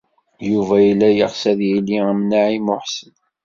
Yuba yella yeɣs ad yili am Naɛima u Ḥsen.